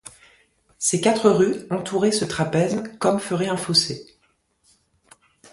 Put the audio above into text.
Ces quatre rues entouraient ce trapèze comme ferait un fossé.